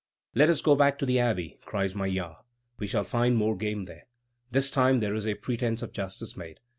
"Let us go back to the Abbey!" cries Maillard; "we shall find more game there." This time there is a pretence of justice made.